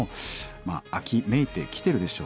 まあ秋めいてきてるでしょうか。